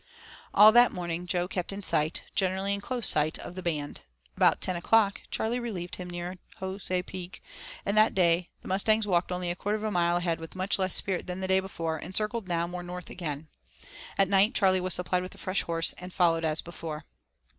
All that morning Jo kept in sight, generally in close sight, of the band. About ten o'clock, Charley relieved him near Jos. Peak and that day the mustangs walked only a quarter of a mile ahead with much less spirit than the day before and circled now more north again. At night Charley was supplied with a fresh horse and followed as before.